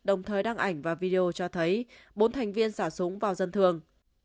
đồng thời đăng ảnh và video cho thấy bốn thành viên xả súng vào dân thường